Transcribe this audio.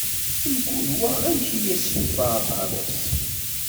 Mkul wa amek I as-yufa aqeṛṛu-s.